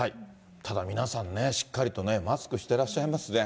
ただ、皆さんね、しっかりとね、マスクしてらっしゃいますね。